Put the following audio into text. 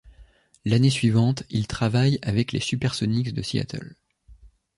L'année suivante, il travaille avec les SuperSonics de Seattle.